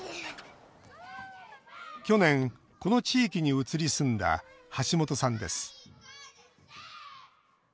去年この地域に移り住んだ橋本さんです